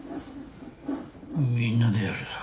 みんなでやるさ。